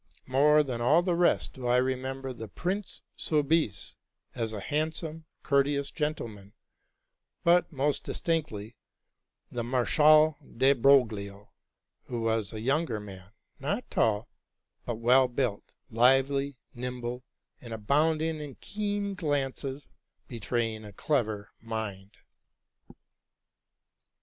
More than all the rest do I remember the Prince Soubise as a handsome, cour teous gentleman; but most distinctly, the Maréchal de Broglio, who was a younger man, not tall, but well built, lively, nimble, and abounding in keen glances, betraying a clever mind.